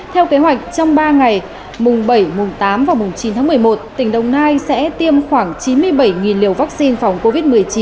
theo kế hoạch trong ba ngày mùng bảy mùng tám và mùng chín tháng một mươi một tỉnh đồng nai sẽ tiêm khoảng chín mươi bảy liều vaccine phòng covid một mươi chín